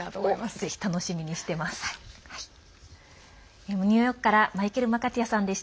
ぜひ楽しみにしてます。